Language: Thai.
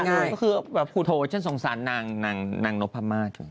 ก็คือคุณโทษฉันสงสารนางนพม่าจริง